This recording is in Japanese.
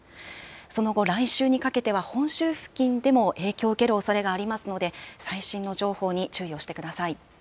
その後、来週にかけては本州付近でも影響を受けるおそれがありますので、最新の情報に注意をしてください。